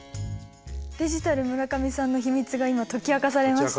デジタル村上さんの秘密が今解き明かされましたね。